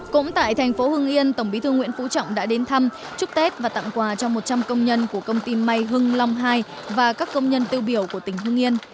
cũng tại thành phố hưng yên tổng bí thư nguyễn phú trọng đã đến thăm chúc tết và tặng quà cho một trăm linh công nhân của công ty may hưng long ii và các công nhân tiêu biểu của tỉnh hưng yên